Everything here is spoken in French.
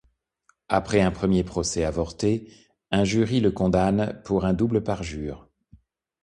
Après un premier procès avorté, un jury le condamne pour un double parjure.